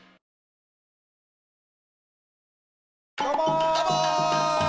どうも！